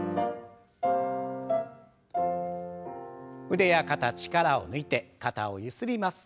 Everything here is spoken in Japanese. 腕や肩力を抜いて肩をゆすります。